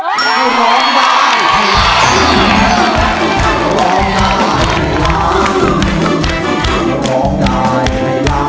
เพราะไม่ได้คำนึงร้องได้ไขหลาม